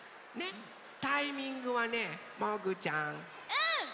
うん！